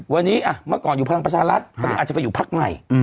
วันนี้เมื่อก่อนอยู่พลังประชารัฐตอนนี้อาจจะไปอยู่พักใหม่